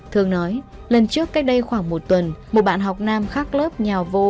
thương nói lần trước cách đây khoảng một tuần một bạn học nam khác lớp nhào vô